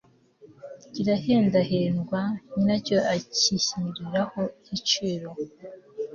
kidahendahenderwa; nyiracyo akishyiriraho igiciro